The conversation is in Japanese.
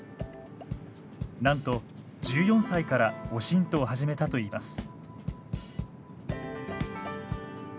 なんと１４歳からオシントを始めたといいます。